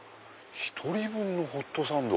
１人分のホットサンド？